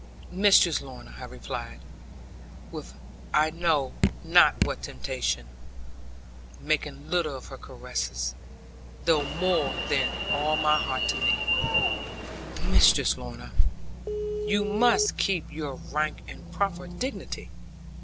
'Mistress Lorna, I replied, with I know not what temptation, making little of her caresses, though more than all my heart to me: 'Mistress Lorna, you must keep your rank and proper dignity.